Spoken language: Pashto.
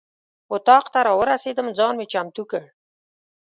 اتاق ته راورسېدم ځان مې چمتو کړ.